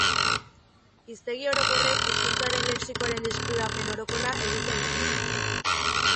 Hiztegi orokorrek hizkuntzaren lexikoaren deskribapen orokorra egiten dute.